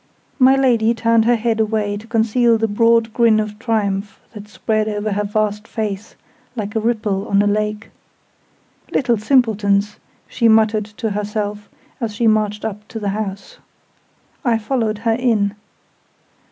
My Lady turned her head away to conceal the broad grin of triumph that spread over her vast face, like a ripple on a lake. "Little simpletons!" she muttered to herself, as she marched up to the house. I followed her in.